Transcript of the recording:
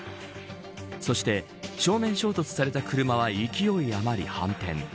そして、正面衝突された車は勢いあまり反転。